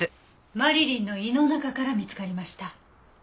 マリリンの胃の中から見つかりました。